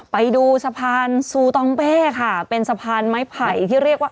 ไปดูสะพานซูตองเป้ค่ะเป็นสะพานไม้ไผ่ที่เรียกว่า